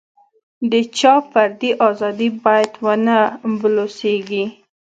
د چا فردي ازادي باید ونه بلوسېږي.